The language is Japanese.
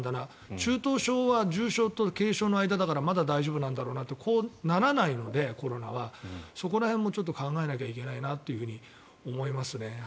中等症は重症と軽症の間だからまだ大丈夫なんだろうなとならないので、コロナはそこら辺もちょっと考えなきゃいけないなと思いますね。